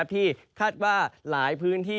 ที่คาดว่าหลายพื้นที่